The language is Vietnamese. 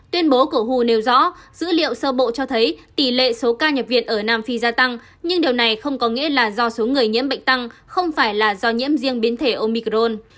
tuyên bố của hu nêu rõ dữ liệu sơ bộ cho thấy tỷ lệ số ca nhập viện ở nam phi gia tăng nhưng điều này không có nghĩa là do số người nhiễm bệnh tăng không phải là do nhiễm riêng biến thể omicron